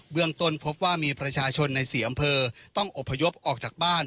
เมืองต้นพบว่ามีประชาชนใน๔อำเภอต้องอบพยพออกจากบ้าน